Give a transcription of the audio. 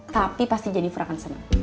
tapi pasti jennifer akan senang